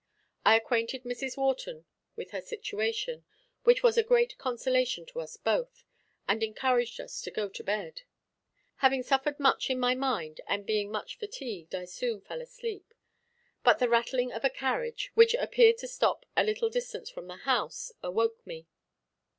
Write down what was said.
I acquainted Mrs. Wharton with her situation, which was a great consolation to us both, and encouraged us to go to bed: having suffered much in my mind, and being much fatigued, I soon fell asleep; but the rattling of a carriage, which appeared to stop a little distance from the house, awoke me.